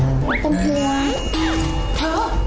ไม่เป็นเพราะ